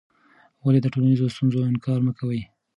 ولې د ټولنیزو ستونزو انکار مه کوې؟